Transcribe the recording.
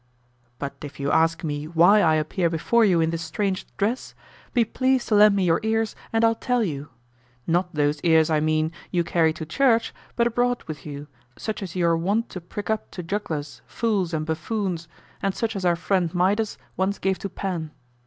But if you ask me why I appear before you in this strange dress, be pleased to lend me your ears, and I'll tell you; not those ears, I mean, you carry to church, but abroad with you, such as you are wont to prick up to jugglers, fools, and buffoons, and such as our friend Midas once gave to Pan.